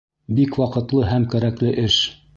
Бик ваҡытлы һәм кәрәкле эш.